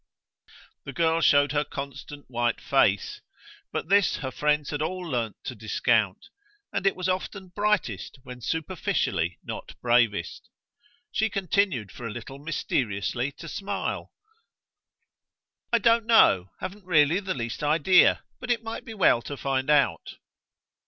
The girl showed her constant white face, but this her friends had all learned to discount, and it was often brightest when superficially not bravest. She continued for a little mysteriously to smile. "I don't know haven't really the least idea. But it might be well to find out."